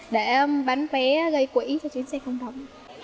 để bán vé gây quỹ cho chuyến xe không đồng